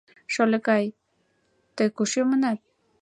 Шольыкай, тый куш йомынат?